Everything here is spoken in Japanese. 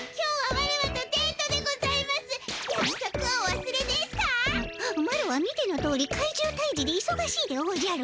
ママロは見てのとおり怪獣たいじでいそがしいでおじゃる。